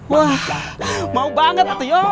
wah mau banget tuh yok